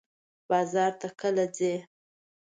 بازار ته کله ځئ؟